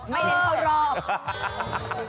เน้นเข้ารอบ